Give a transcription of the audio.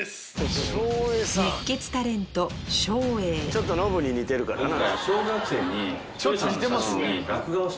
ちょっとノブに似てるからな。